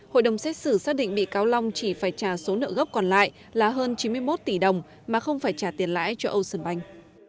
hội đồng xét xử xác định bị cáo long chỉ phải trả số nợ gốc còn lại là hơn chín mươi một tỷ đồng mà không phải trả tiền lãi cho ocean bank